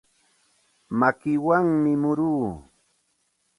Makiwanmi muruu.